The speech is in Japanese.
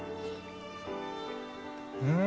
うん。